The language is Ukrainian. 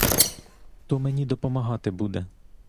Хто мені помагати буде?